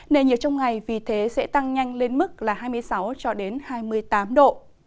nền nhiệt trong ngày vì thế sẽ tăng nhanh lên mức hai mươi sáu hai mươi tám độ